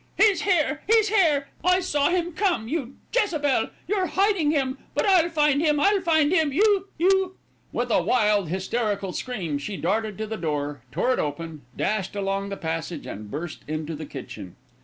"He's here! He's here! I saw him come! You Jezebel! You're hiding him; but I'll find him. I'll find him. You you " With a wild, hysterical scream, she darted to the door, tore it open, dashed along the passage, and burst into the kitchen.